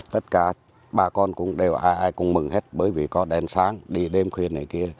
tất cả bà con cũng đều ai ai cũng mừng hết bởi vì có đèn sáng đi đêm khuya này kia